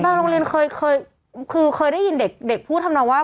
โรงเรียนเคยคือเคยได้ยินเด็กพูดทำนองว่า